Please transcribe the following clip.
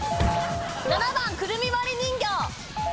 ７番くるみわり人形！